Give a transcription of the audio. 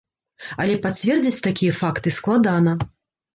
Але пацвердзіць такія факты складана.